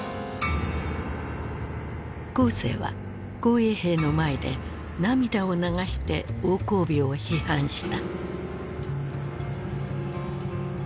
江青は紅衛兵の前で涙を流して王光美を批判した。